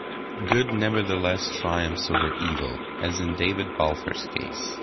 Good nevertheless triumps over evil, as in David Balfour's case.